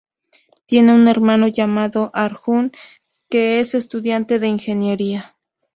Tiene un hermano llamado Arjun, que es estudiante de ingeniería.